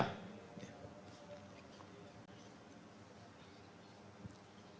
kemudian yang kedua